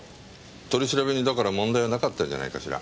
取り調べにだから問題はなかったんじゃないかしら。